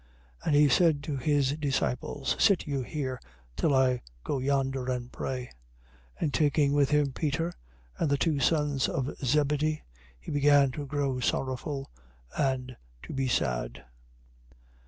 And he said to his disciples: Sit you here, till I go yonder and pray. 26:37. And taking with him Peter and the two sons of Zebedee, he began to grow sorrowful and to be sad.